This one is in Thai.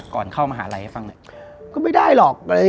จะหายดูลงทั่วทาง